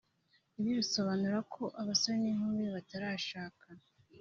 Ibi bisobanura ko abasore n’inkumi batarashaka